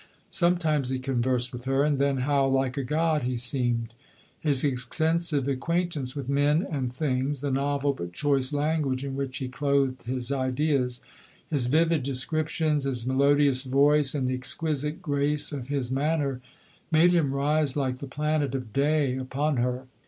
Sometimes he con versed with her, and then how like a god be seemed ! His extensive acquaintance with men and things, the novel but choice language in which he clothed his ideas ; his vivid descriptions, his i melodious voice, and the exquisite grace of his manner, made him rise like the planet of d. upon her.